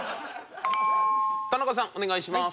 田中さんお願いします。